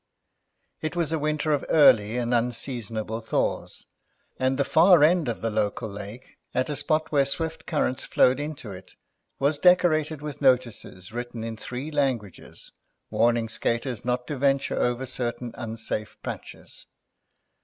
It was a winter of early and unseasonable thaws, and the far end of the local lake, at a spot where swift currents flowed into it, was decorated with notices, written in three languages, warning skaters not to venture over certain unsafe patches.